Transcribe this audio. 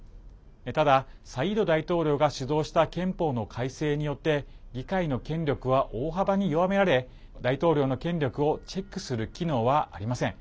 ただ、サイード大統領が主導した憲法の改正によって議会の権力は大幅に弱められ大統領の権力をチェックする機能はありません。